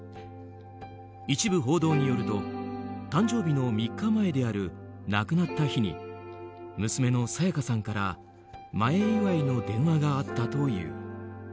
一部報道によると誕生日の３日前である亡くなった日に娘の沙也加さんから前祝いの電話があったという。